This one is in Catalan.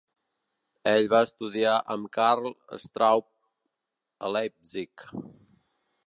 Ell va estudiar amb Karl Straube a Leipzig.